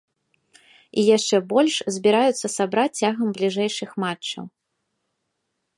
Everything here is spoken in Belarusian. І яшчэ больш збіраюцца сабраць цягам бліжэйшых матчаў.